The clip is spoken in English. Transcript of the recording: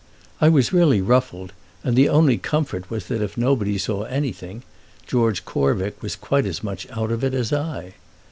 I was really ruffled, and the only comfort was that if nobody saw anything George Corvick was quite as much out of it as I.